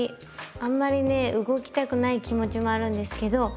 あんまりね動きたくない気持ちもあるんですけど。